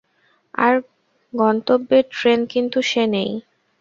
তার গন্তব্যের ট্রেন কিন্তু সে নেই।